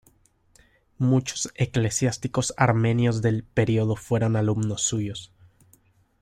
Muchos eclesiásticos armenios del periodo fueron alumnos suyos.